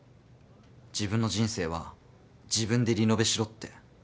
自分の人生は自分でリノベしろって。